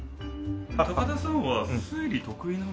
高田さんは推理得意なんですか？